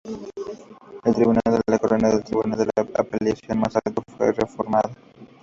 El Tribunal de la Corona, el tribunal de apelación mas alto, fue reformada.